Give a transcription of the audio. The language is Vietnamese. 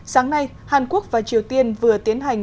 sáng nay hàn quốc và triều tiên vừa tiến hành